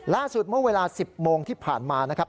ล่าสุดเมื่อเวลา๑๐โมงที่ผ่านมานะครับ